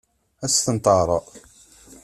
Ad as-ten-teɛṛeḍ?